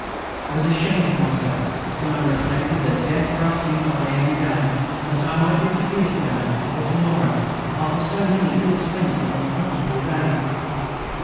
I was ashamed of myself when I reflected that death brushed by me every day, and that I might disappear to day or to morrow, after so many ill spent and unprofitable days.